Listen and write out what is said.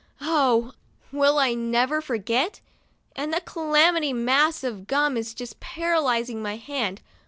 Oh ! will I never forget ? And that clammy mass of gum is just paralyzing my hand.